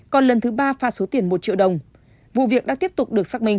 còn lần thứ ba pha số tiền một triệu đồng vụ việc đã tiếp tục được xác minh